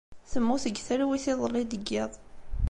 Temmut deg talwit iḍelli deg yiḍ.